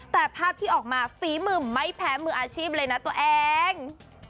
แต่ภาพที่ออกมาฝีมือไม่แพ้มืออาชีพเลยนะตัวเอง